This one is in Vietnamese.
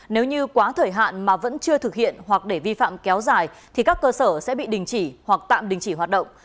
nếu như quá thời hạn mà vẫn chưa thực hiện hoặc để vi phạm kéo dài thì các cơ sở sẽ bị đình chỉ hoặc tạm đình chỉ hoạt động